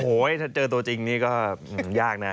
โอ้โหถ้าเจอตัวจริงนี่ก็ยากนะ